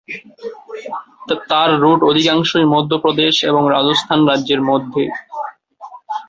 তার রুট অধিকাংশই মধ্যপ্রদেশ এবং রাজস্থান রাজ্যের মধ্যে।